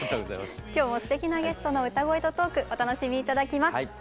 今日もすてきなゲストの歌声とトークお楽しみ頂きます。